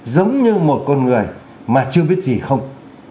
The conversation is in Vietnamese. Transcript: giống như một con người mà chưa biết gì không